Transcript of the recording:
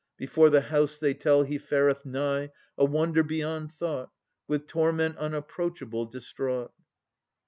Before the house, they tell, he fareth nigh, A wonder beyond thought, With torment unapproachable distraught.